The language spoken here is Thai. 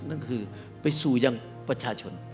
นั่นคือไปสู่ยังประชาชน